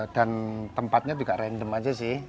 dan tempatnya juga random aja sih